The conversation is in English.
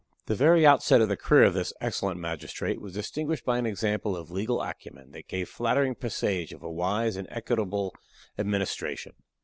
The very outset of the career of this excellent magistrate was distinguished by an example of legal acumen that gave flattering presage of a wise and equitable administration.